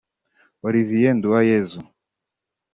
Olivier Nduwayezu